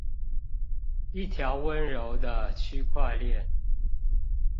一條溫柔的區塊鍊